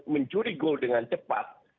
mencuri gol dengan cepat